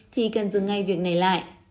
thì cần dừng ngay việc này lại